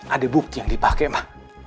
ada bukti yang dipakai mah